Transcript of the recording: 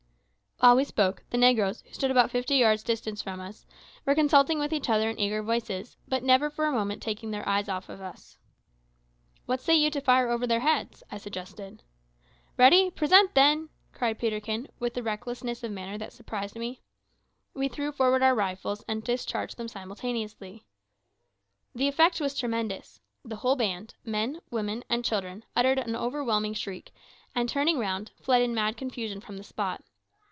While we spoke, the negroes, who stood about fifty yards distant from us, were consulting with each other in eager voices, but never for a moment taking their eyes off us. "What say you to fire over their heads?" I suggested. "Ready, present, then," cried Peterkin, with a recklessness of manner that surprised me. We threw forward our rifles, and discharged them simultaneously. The effect was tremendous. The whole band men, women, and children uttered an overwhelming shriek, and turning round, fled in mad confusion from the spot.